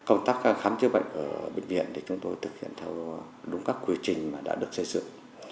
công tác khám chữa bệnh ở bệnh viện thì chúng tôi thực hiện theo đúng các quy trình mà đã được xây dựng